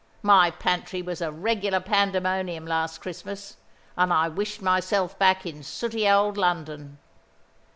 My pantry was a regular pandemonium last Christmas, and I wished myself back in sooty old London."